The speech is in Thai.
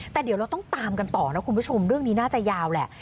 แต่เดี๋ยวเราต้องตามกันต่อนะคุณผู้ชมเรื่องนี้น่าจะยาวแหละ